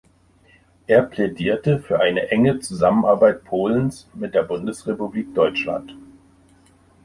Er plädierte für eine enge Zusammenarbeit Polens mit der Bundesrepublik Deutschland.